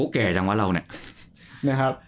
เก่จังวะเราเนี่ย